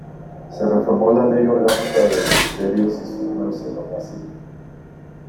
Se reformó la Ley Orgánica de Ministerios y su número se elevó a siete.